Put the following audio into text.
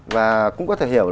và cũng có thể hiểu